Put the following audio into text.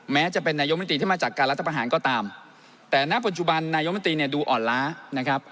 แม้จะเป็นนายกมนตรีที่มาจากการรัฐประหารก็ตามแต่ณปัจจุบันนายมนตรีเนี่ยดูอ่อนล้านะครับ